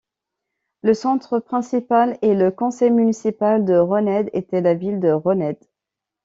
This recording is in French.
Le centre principal et le conseil municipal de Rønnede était la ville de Rønnede.